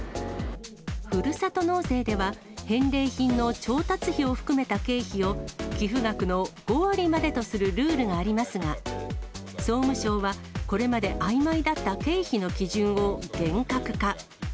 ふるさと納税では、返礼品の調達費を含めた経費を、寄付額の５割までとするルールがありますが、総務省は、これまであいまいだった経費の基準を厳格化。